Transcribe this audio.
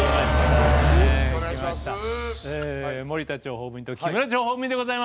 森田諜報部員と木村諜報部員でございます。